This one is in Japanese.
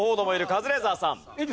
カズレーザーさん。